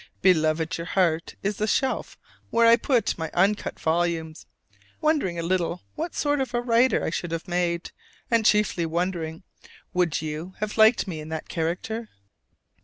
Beloved, your heart is the shelf where I put all my uncut volumes, wondering a little what sort of a writer I should have made; and chiefly wondering, would you have liked me in that character?